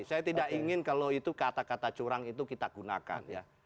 saya tidak ingin kalau itu kata kata curang itu kita gunakan ya